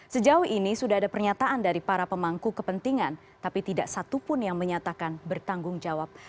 sejauh ini sudah ada pernyataan dari para pemangku kepentingan tapi tidak satupun yang menyatakan bertanggung jawab